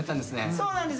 そうなんです！